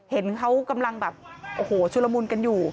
เห็นเขากำลังแบบโอ้โหชุลมุนกันอยู่